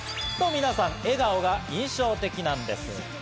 皆さん笑顔が印象的なんです。